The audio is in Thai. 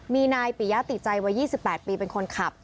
มีนายปิยะติใจวัย๒๘ปีเป็นคนขับ